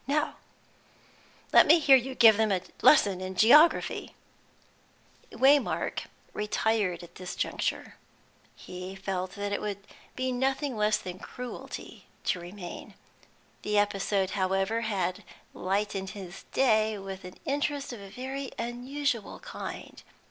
Now let me hear you give them a lesson in geography." Waymark retired at this juncture; he felt that it would be nothing less than cruelty to remain. The episode, however, had lightened his day with an interest of a very unusual kind.